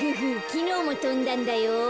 きのうもとんだんだよ。